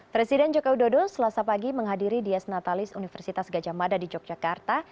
presiden jokowi dodo selasa pagi menghadiri dies natalis universitas gajah mada di yogyakarta